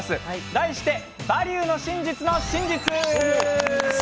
題して「「バリューの真実」の真実」。